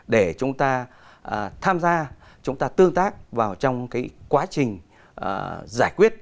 để chúng ta tham gia chúng ta tương tác vào trong cái quá trình giải quyết